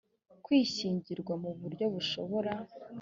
kw ishyingirwa mu buryo bushobora